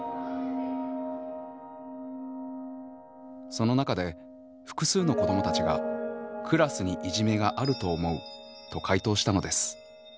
その中で複数の子どもたちが「クラスにいじめがあると思う」と回答したのです。